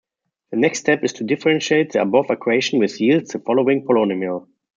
The next step is to differentiate the above equation which yields the following polynomial.